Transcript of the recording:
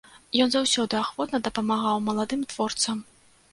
Ён заўсёды ахвотна дапамагаў маладым творцам.